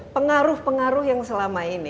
pengaruh pengaruh yang selama ini